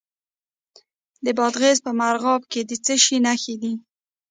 د بادغیس په مرغاب کې د څه شي نښې دي؟